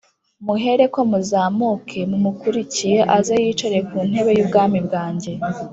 Muhereko muzamuke mumukurikiye aze yicare ku ntebe y’ubwami bwanjye